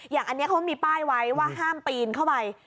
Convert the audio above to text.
อย่างอันนี้เขามีป้ายไว้ว่าห้ามปีนเข้าไป